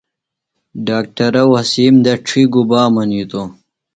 ڈاکٹرہ وسیم دڇھی بہ گُبا منِیتوۡ؟